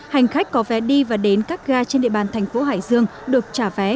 hành khách có vé đi và đến các ga trên địa bàn tp hải dương được trả vé